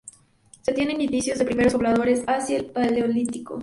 Se tienen indicios de primeros pobladores hacia el paleolítico.